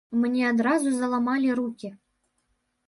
Мне адразу заламалі рукі.